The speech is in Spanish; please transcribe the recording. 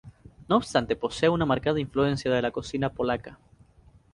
No obstante posee una marcada influencia de la cocina polaca.